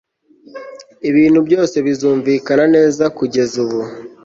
ibintu byose bizumvikana neza kugeza ubu